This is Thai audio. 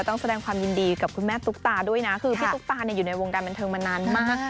ต้องแสดงความยินดีกับคุณแม่ตุ๊กตาด้วยนะคือพี่ตุ๊กตาอยู่ในวงการบันเทิงมานานมาก